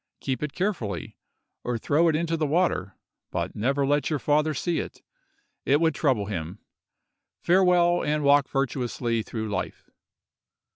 Keep it carefully, or throw it into the water, but never let your father see it—it would trouble him. Farewell, and walk virtuously through life.